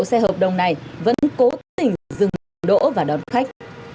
xe hợp đồng này vẫn cố tình dừng đỗ và đón khách